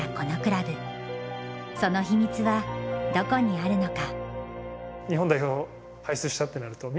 その秘密はどこにあるのか？